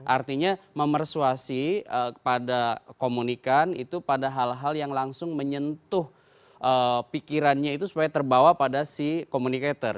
artinya memersuasi pada komunikan itu pada hal hal yang langsung menyentuh pikirannya itu supaya terbawa pada si communicator